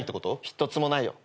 一つもないよ。